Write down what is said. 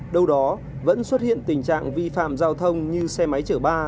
đâu đó vẫn xuất hiện tình trạng vi phạm giao thông như xe máy chở ba